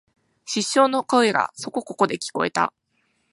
失笑の声がそこここで聞えた